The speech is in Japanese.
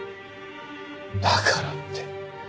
だからって。